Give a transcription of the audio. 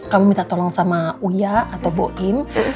kamu minta tolong sama uya atau bu im